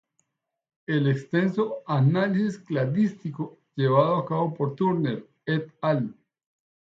El extenso análisis cladístico llevado a cabo por Turner "et al".